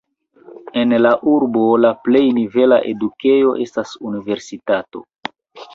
En la urbo la plej nivela edukejo estas universitato.